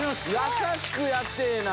優しくやってぇな。